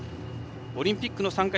オリンピックの参加